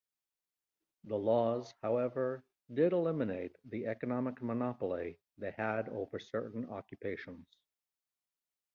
The laws, however, did eliminate the economic monopoly they had over certain occupations.